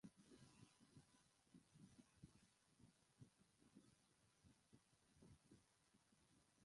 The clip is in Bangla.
তিনি সম্মিলিত সাংস্কৃতিক জোট ময়মনসিংহের প্রতিষ্ঠাতা আহ্বায়ক ছিলেন।